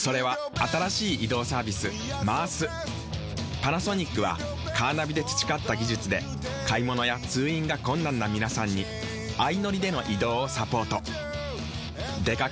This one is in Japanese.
パナソニックはカーナビで培った技術で買物や通院が困難な皆さんに相乗りでの移動をサポート。